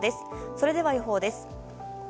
それでは予報です。